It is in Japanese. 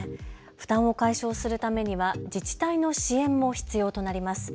負担を解消するためには自治体の支援も必要となります。